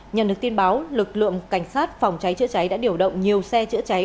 nhận được tin báo lực lượng cảnh sát phòng cháy chữa cháy đã điều động nhiều xe chữa cháy